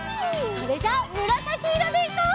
それじゃあむらさきいろでいこう！